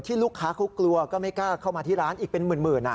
ลูกค้าเขากลัวก็ไม่กล้าเข้ามาที่ร้านอีกเป็นหมื่น